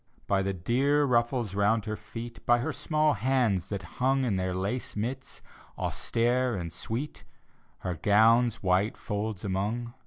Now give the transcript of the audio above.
By the dear ruffles round her feet, By her small hands that hung In their lace mitts, austere and sweet. Her gown's white folds among.